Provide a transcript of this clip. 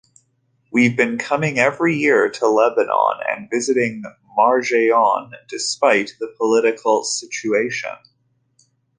We've been coming every year to Lebanon and visiting Marjeyoun despite the political situation.